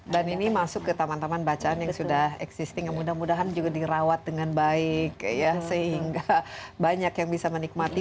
dan ini masuk ke teman teman bacaan yang sudah existing yang mudah mudahan juga dirawat dengan baik ya sehingga banyak yang bisa menikmati